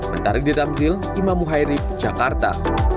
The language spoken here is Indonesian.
bentar di ramzil imam muhairif jakarta